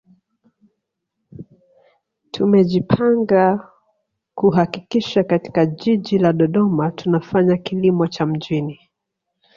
Tumejipanga kuhakikisha katika Jiji la Dodoma tunafanya kilimo cha mjini